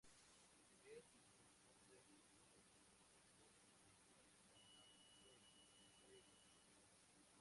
Él y sus hombres simplemente dejan de lastimar a Hulk de cualquier manera.